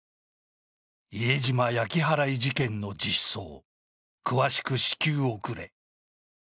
伊江島焼き払い事件の実相、詳しく至急送れ。